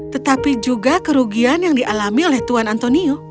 tetapi juga kerugian yang dialami oleh tuan antonio